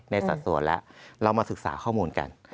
สัดส่วนแล้วเรามาศึกษาข้อมูลกัน